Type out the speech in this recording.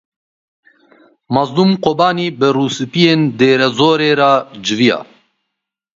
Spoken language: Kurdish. Mezlûm Kobanî bi rîsipiyên Dêrezorê re civiya.